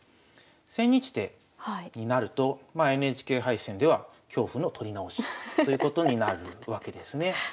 千日手になるとまあＮＨＫ杯戦では恐怖の撮り直しということになるわけですね。